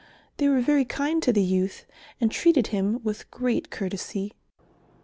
They were very kind to the youth and treated him with great courtesy.